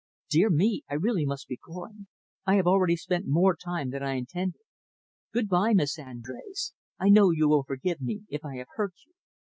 "Dear me, I really must be going. I have already spent more time than I intended. Good by, Miss Andrés. I know you will forgive me if I have hurt you."